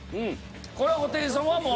これはホテイソンはもう。